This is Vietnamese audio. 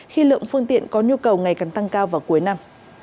khi lượng phương tiện có nhu cầu ngày càng tăng cao vào cuối năm